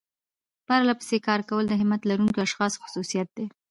پرلپسې کار کول د همت لرونکو اشخاصو خصوصيت دی.